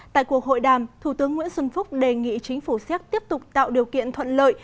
tại cuộc hội đàm thủ tướng nguyễn xuân phúc đề nghị chính phủ séc tiếp tục tạo điều kiện thuận lợi